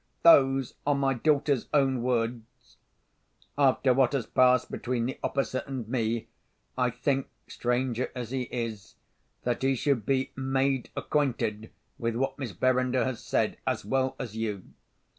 Those are my daughter's own words. "After what has passed between the officer and me, I think—stranger as he is—that he should be made acquainted with what Miss Verinder has said, as well as you.